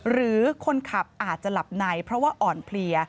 หรือคนขับอาจจะหลับในเพราะว่าอ่อนเพลีย